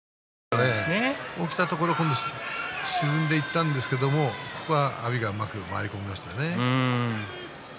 起きたところを今度沈んでいったんですけれどここはうまく阿炎が回り込みましたね。